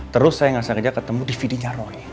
terus saya ngerasa kerja ketemu dvd nya roy